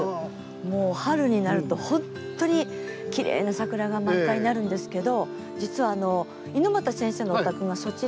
もう春になると本当にきれいな桜が満開になるんですけど実はあの猪俣先生のお宅がそちらの方なんですね。